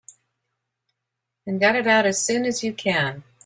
And got it out as soon as you can.